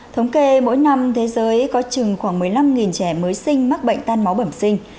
thống kê mỗi năm thế giới có chừng khoảng một mươi năm trẻ mới sinh mắc bệnh tan máu bẩm sinh